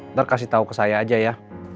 ntar kasih tau ke saya aja ya